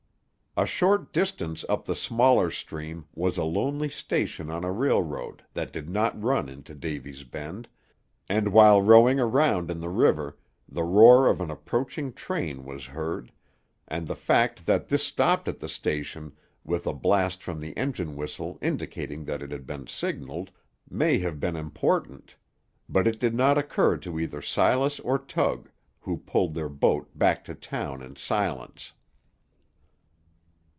A short distance up the smaller stream was a lonely station on a railroad that did not run into Davy's Bend, and while rowing around in the river, the roar of an approaching train was heard, and the fact that this stopped at the station, with a blast from the engine whistle indicating that it had been signalled, may have been important; but it did not occur to either Silas or Tug, who pulled their boat back to town in silence.